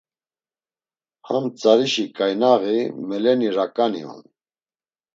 Ham tzarişi ǩaynaği meleni raǩani on.